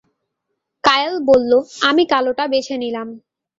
কায়ল বলল, আমি কালটা বেছে নিলাম।